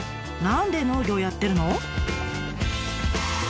何で農業やってるの？